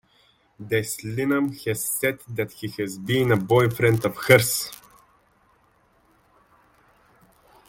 Des Lynam has said that he has been a boyfriend of hers.